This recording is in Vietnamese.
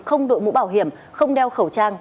không đội mũ bảo hiểm không đeo khẩu trang